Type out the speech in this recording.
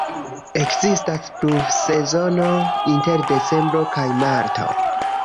Ekzistas pluvsezono inter decembro kaj marto.